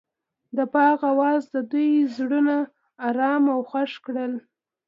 د باغ اواز د دوی زړونه ارامه او خوښ کړل.